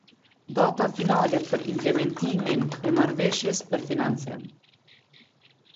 Data finale për implementimin € Marrëveshjes për Financim.